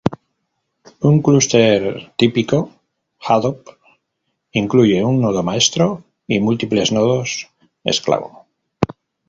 Un clúster típico Hadoop incluye un nodo maestro y múltiples nodos esclavo.